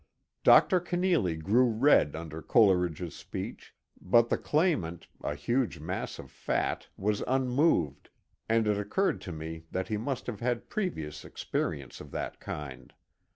Dr. Kenealy grew red under Coleridge's speech, but the claimant, a huge mass of fat, was unmoved, and it occurred to me that he must have had previous experience of that kind.